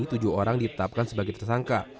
tidak ada yang ditetapkan sebagai tersangka